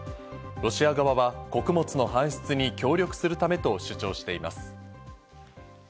ロシア側は穀物の搬出に協力するためと主張しています。